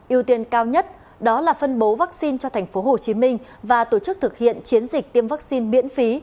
yêu tiên cao nhất đó là phân bố vaccine cho tp hcm và tổ chức thực hiện chiến dịch tiêm vaccine miễn phí